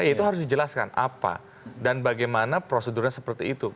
ya itu harus dijelaskan apa dan bagaimana prosedurnya seperti itu